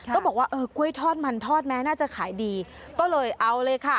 ก็บอกว่าเออกล้วยทอดมันทอดแม้น่าจะขายดีก็เลยเอาเลยค่ะ